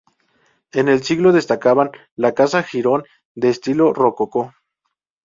En el siglo destacaba la casa Girón, de estilo rococó.